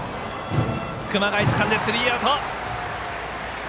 熊谷つかんでスリーアウト。